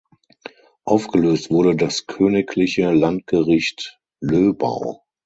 Aufgelöst wurde das Königliche Landgericht Löbau.